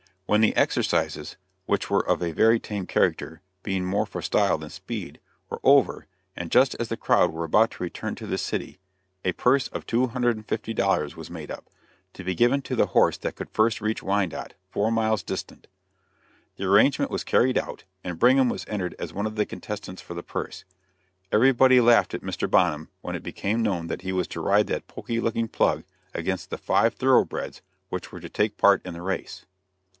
When the exercises which were of a very tame character, being more for style than speed were over, and just as the crowd were about to return to the city, a purse of $250 was made up, to be given to the horse that could first reach Wyandotte, four miles distant. The arrangement was carried out, and Brigham was entered as one of the contestants for the purse. Everybody laughed at Mr. Bonham when it became known that he was to ride that poky looking plug against the five thoroughbreds which were to take part in the race.